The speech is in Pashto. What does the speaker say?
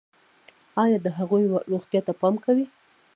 ایا د هغوی روغتیا ته پام کوئ؟